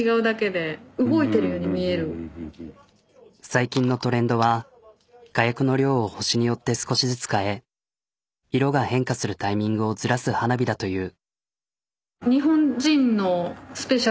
最近のトレンドは火薬の量を星によって少しずつ変え色が変化するタイミングをずらす花火だという。